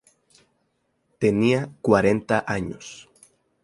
Tenía cuarenta años.